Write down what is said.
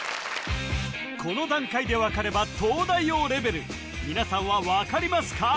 この段階で分かれば東大王レベル皆さんは分かりますか？